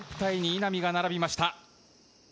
稲見が並びました。